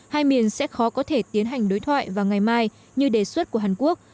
hai miền sẽ khó có thể tiến hành đối thoại vào ngày mai như đề xuất của hàn quốc